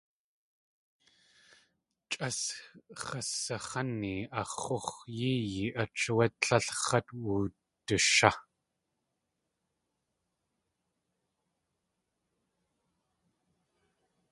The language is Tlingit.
Chʼa x̲asax̲áni ax̲ x̲úx̲ yéeyi ách áwé tlél x̲at wudushá.